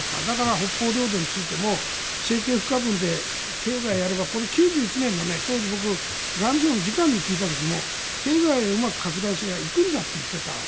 だから北方領土についても政経不可分で経済をやれば９１年の当時、僕外務省の次官に聞いた時も経済が拡大すれば行くんだと言っていた。